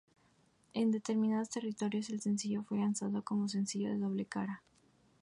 En determinados territorios, el sencillo fue lanzado como un sencillo de doble cara.